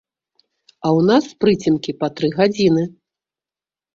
А ў нас прыцемкі па тры гадзіны.